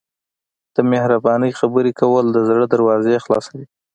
د مهربانۍ خبرې کول د زړه دروازې خلاصوي.